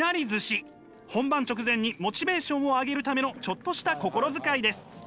本番直前にモチベーションを上げるためのちょっとした心遣いです。